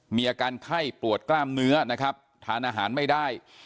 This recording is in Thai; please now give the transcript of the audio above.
มีอาการไข้ปวดกล้ามเนื้อนะครับทานอาหารไม่ได้